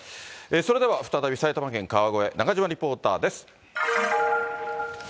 それでは再び埼玉県川越、中島リポーターです。